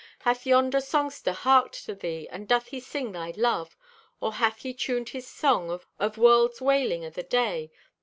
Hath yonder songster harked to thee, And doth he sing thy love? Or hath he tuned his song of world's wailing o' the day?